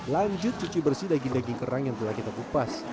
lanjut cuci bersih daging daging kerang yang telah kita kupas